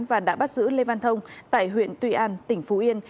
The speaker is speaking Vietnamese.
và đã bắt giữ lê văn thông tại huyện tuy an tỉnh phú yên